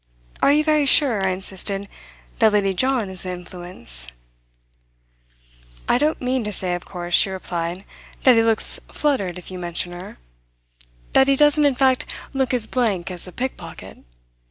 Are you very sure," I insisted, "that Lady John is the influence?" "I don't mean to say, of course," she replied, "that he looks fluttered if you mention her, that he doesn't in fact look as blank as a pickpocket.